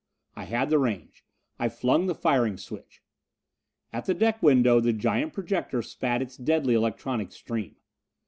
I had the range. I flung the firing switch. At the deck window the giant projector spat its deadly electronic stream.